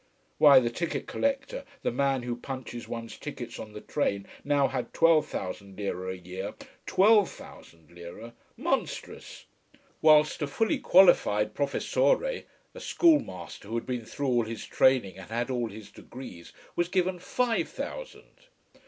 Why, the ticket collector, the man who punches one's tickets on the train, now had twelve thousand Lira a year: twelve thousand Lira. Monstrous! Whilst a fully qualified professore, a schoolmaster who had been through all his training and had all his degrees, was given five thousand.